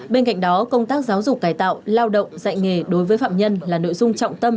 bên cạnh đó công tác giáo dục cải tạo lao động dạy nghề đối với phạm nhân là nội dung trọng tâm